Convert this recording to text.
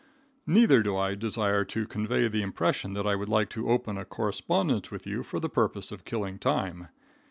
Neither do I desire to convey the impression that I would like to open a correspondence with you for the purpose of killing time.